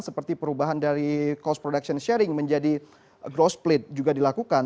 seperti perubahan dari cost production sharing menjadi growth split juga dilakukan